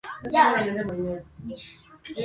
Mwaka wa elfu moja mia tisa ishirini na sita